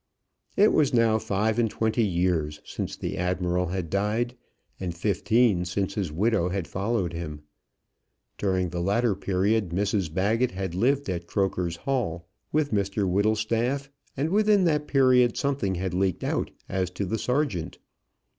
It was now five and twenty years since the Admiral had died, and fifteen since his widow had followed him. During the latter period Mrs Baggett had lived at Croker's Hall with Mr Whittlestaff, and within that period something had leaked out as to the Sergeant.